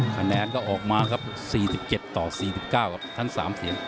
คะแนนก็ออกมาครับ๔๗ต่อ๔๙ครับทั้ง๓เสียง